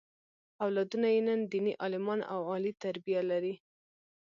اولادونه یې نن دیني عالمان او عالي تربیه لري.